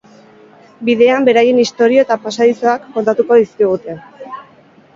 Bidean beraien istorio eta pasadizoak kontatuko dizkigute.